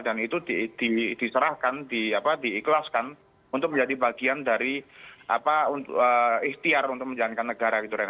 dan itu diserahkan diikhlaskan untuk menjadi bagian dari istiar untuk menjalankan negara gitu